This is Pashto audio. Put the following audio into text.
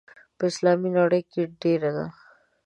په اسلامي نړۍ کې ډېره ده.